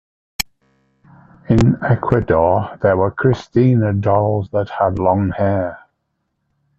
In Ecuador, there were Christina Dolls that had long hair.